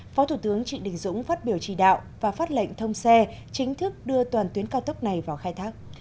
phó thủ tướng trị đình dũng phát biểu chỉ đạo và phát lệnh thông xe chính thức đưa toàn tuyến cao tốc này vào khai thác